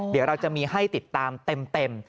เดี๋ยวเราจะมีให้ติดตามเต็ม